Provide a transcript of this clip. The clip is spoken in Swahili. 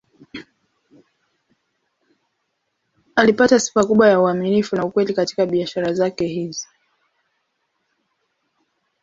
Alipata sifa kubwa ya uaminifu na ukweli katika biashara zake hizi.